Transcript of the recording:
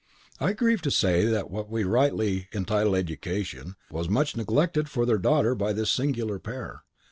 I grieve to say that what we rightly entitle education was much neglected for their daughter by this singular pair.